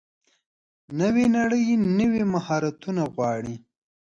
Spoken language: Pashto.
نوې نړۍ نوي مهارتونه غواړي.